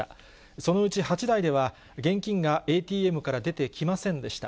そのうち８台では、現金がＡＴＭから出てきませんでした。